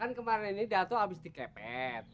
kan kemarin ini dato habis dikepet